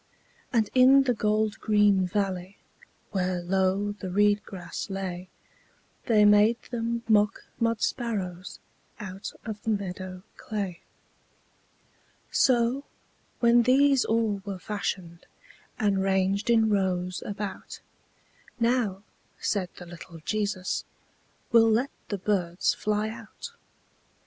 And in the gold green valley, Where low the reed grass lay, They made them mock mud sparrows Out of the meadow clay. So, when these all were fashioned, And ranged in rows about, "Now," said the little Jesus, "We'll let the birds fly out."